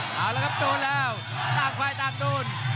เอาลิครับโดนแล้วต้านไขว้ต้านโดน